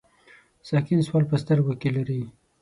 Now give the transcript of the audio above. ساکن سوال په سترګو کې لري.